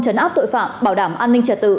chấn áp tội phạm bảo đảm an ninh trật tự